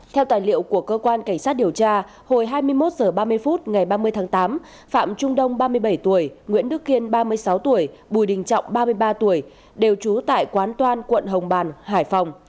theo tài liệu của cơ quan cảnh sát điều tra hồi hai mươi một h ba mươi phút ngày ba mươi tháng tám phạm trung đông ba mươi bảy tuổi nguyễn đức kiên ba mươi sáu tuổi bùi đình trọng ba mươi ba tuổi đều trú tại quán toan quận hồng bàng hải phòng